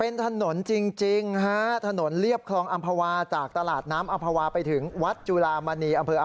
เป็นถนนจริงฮะถนนเรียบคลองอำภาวาจากตลาดน้ำอำภาวาไปถึงวัดจุลามณีอำเภออำ